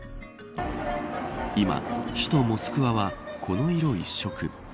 今、首都モスクワはこの色一色。